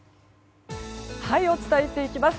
お伝えしていきます。